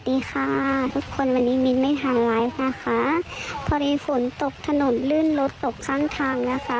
พอเรียนฝนตกถนนลื่นรถตกข้างทางนะคะ